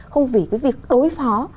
không vì cái việc đối phó